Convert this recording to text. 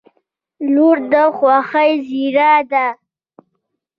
• لور د خوښۍ زېری دی.